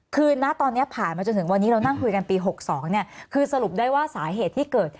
คือณตอนนี้ผ่านมาจนถึงวันนี้เรานั่งคุยกันปี๖๒เนี่ยคือสรุปได้ว่าสาเหตุที่เกิด